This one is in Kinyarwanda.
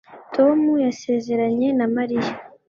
Tom yasezeranye na Mariya